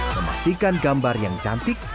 memastikan gambar yang cantik